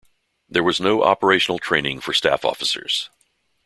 There was no operational training for staff officers.